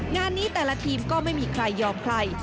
งานนี้แต่ละทีมก็ไม่มีใครยอมใคร